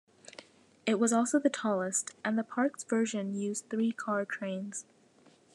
It was also the tallest, and the Park's version used three-car trains.